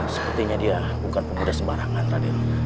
sepertinya dia bukan pemuda sembarangan tadi